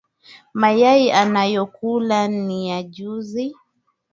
Mayai anayokula ni ya juzi